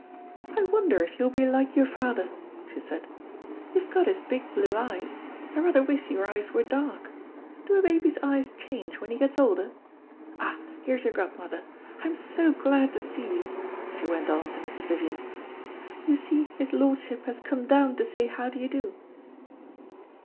"I wonder if you'll be like your father," she said; "you've got his big blue eyes. I rather wish your eyes were dark. Do a baby's eyes change when he gets older? Ah, here's your godmother. I am so glad to see you," she went on to Mrs. Vivian. "You see his lordship has come down to say how do you do."